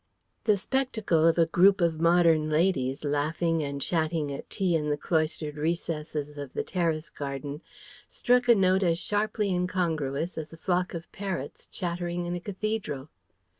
The spectacle of a group of modern ladies laughing and chatting at tea in the cloistered recesses of the terrace garden struck a note as sharply incongruous as a flock of parrots chattering in a cathedral.